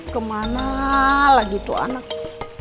di mana kau lagi alexandannya